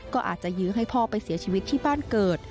ก็อาจจะยื้อให้พ่อไปเสียชีวิตที่บ้านเกิด